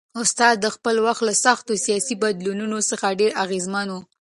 استاد د خپل وخت له سختو سیاسي بدلونونو څخه ډېر اغېزمن و.